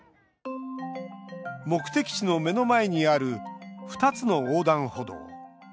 目的地の目の前にある２つの横断歩道。